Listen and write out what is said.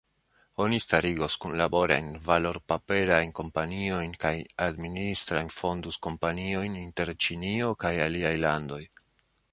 Oni starigos kunlaborajn valorpaperajn kompaniojn kaj administrajn fondus-kompaniojn inter Ĉinio kaj aliaj landoj.